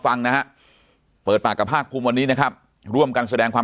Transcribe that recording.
ฟังนะฮะเปิดปากกับภาคภูมิวันนี้นะครับร่วมกันแสดงความ